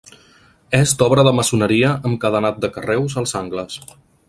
És d'obra de maçoneria amb cadenat de carreus als angles.